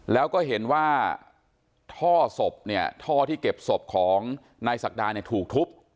แล้วก็เห็นว่าท่อที่เก็บศพของนายสักดายถูกทุบ